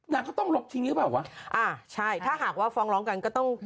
นางก็ต้องลบทิ้งหรือเปล่าวะอ่าใช่ถ้าหากว่าฟ้องร้องกันก็ต้อง